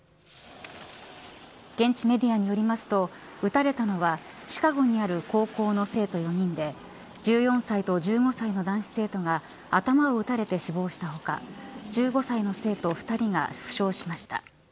現地メディアによりますと撃たれたのはシカゴにある高校の生徒４人で１４歳と１５歳の男子生徒が頭を撃たれて死亡した他１５歳の生徒２人が負傷しました。